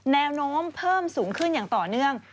แนวโน้มเพิ่มสูงขึ้นอย่างต่อเนื่อง